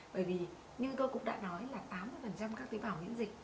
bởi vì như tôi cũng đã nói là tám mươi các tế bào miễn dịch